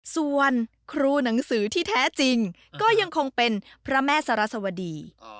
ส่วนครูหนังสือที่แท้จริงก็ยังคงเป็นพระแม่สรัสวดี